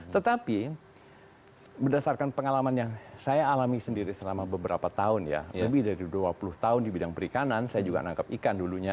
tetapi berdasarkan pengalaman yang saya alami sendiri selama beberapa tahun ya lebih dari dua puluh tahun di bidang perikanan saya juga menangkap ikan dulunya